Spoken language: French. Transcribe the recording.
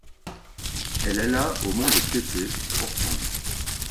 Elle alla au Mont-de-Piété, pourtant.